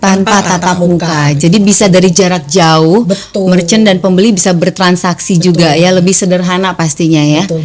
tanpa tatap muka jadi bisa dari jarak jauh merchant dan pembeli bisa bertransaksi juga ya lebih sederhana pastinya ya